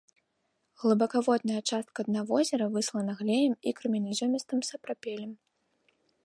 Глыбакаводная частка дна возера выслана глеем і крэменязёмістым сапрапелем.